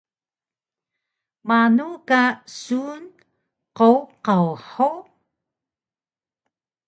Manu ka sun qowqaw hug?